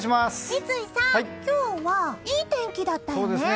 三井さん、今日はいい天気だったよね！